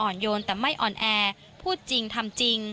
โยนแต่ไม่อ่อนแอพูดจริงทำจริง